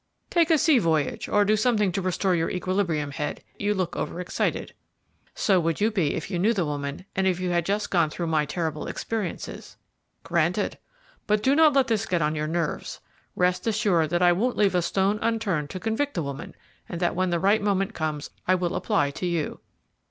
"Take a sea voyage, or do something to restore your equilibrium, Head; you look overexcited." "So would you be if you knew the woman, and if you had just gone through my terrible experiences." "Granted, but do not let this get on your nerves. Rest assured that I won't leave a stone unturned to convict the woman, and that when the right moment comes I will apply to you."